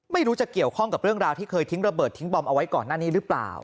ไม่รู้จะเกี่ยวข้องกับเรื่องราวที่เคยทิ้งระเบิดทิ้งบอมเอาไว้ก่อนหน้านี้หรือเปล่า